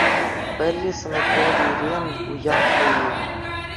Пӗрре санаторире уяв пулнӑ.